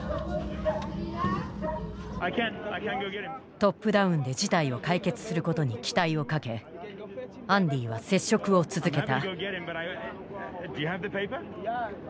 トップダウンで事態を解決することに期待をかけアンディは接触を続けた。